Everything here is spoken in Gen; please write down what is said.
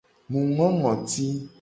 Mu ngo ngoti.